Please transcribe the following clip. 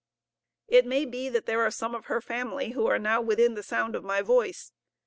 It may be that there are some of her family who are now within the sound of my voice.